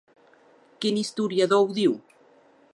Quin historiador ho diu?